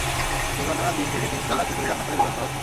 দুর্ঘটনার দিন থেকেই তিন বেলা খিচুড়ি রান্না করে বিতরণ করা হচ্ছে।